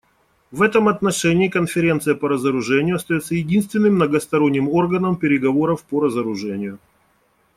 В этом отношении Конференция по разоружению остается единственным многосторонним органом переговоров по разоружению.